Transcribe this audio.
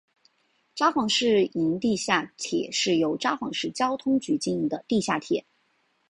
札幌市营地下铁是由札幌市交通局经营的地下铁。